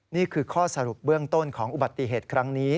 นี่คือข้อสรุปเบื้องต้นของอุบัติเหตุครั้งนี้